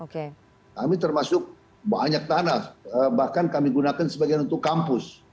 kami termasuk banyak tanah bahkan kami gunakan sebagian untuk kampus